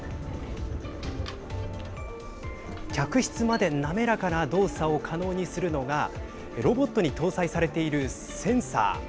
客室まで滑らかな動作を可能にするのがロボットに搭載されているセンサー。